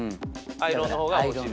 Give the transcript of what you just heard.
アイロンの方が落ちる？